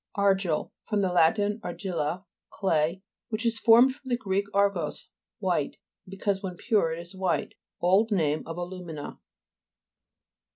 ARGIJ. fr. lat. argil/a, clay, which is formed from the Greek argos, white ; because when pure it is white. Old name of alu'mina.